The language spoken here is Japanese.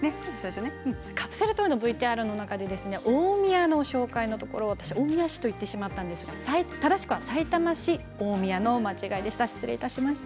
カプセルトイのＶＴＲの紹介の中で大宮のことを大宮市と言ってしまったんですが正しくはさいたま市の間違いでした。